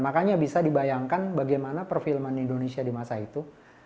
makanya bisa dibayangkan bagaimana perfilman indonesia di masa itu